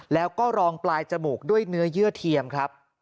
แล้วก็รองปลายจมูกด้วยเนื้อเยื่อเทียมครับ